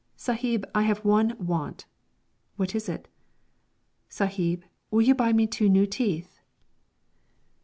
"Sahib, I have one want." "What is it?" "Sahib, will you buy me two new teeth?"